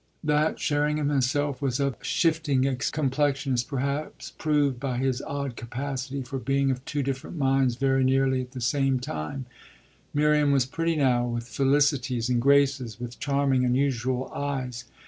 That Sherringham himself was of this shifting complexion is perhaps proved by his odd capacity for being of two different minds very nearly at the same time. Miriam was pretty now, with felicities and graces, with charming, unusual eyes.